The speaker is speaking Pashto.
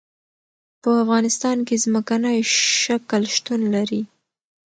په افغانستان کې ځمکنی شکل شتون لري.